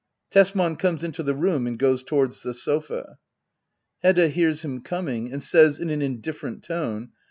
[Tesman comes into the room and goes towards the sofa. Hedda . [Hears him coming and says in an indifferent tone.